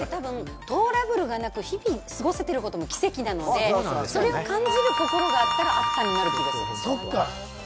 トラブルがなく日々過ごせてることも奇跡なのでそれを感じる心があったら、「あった」になると思います。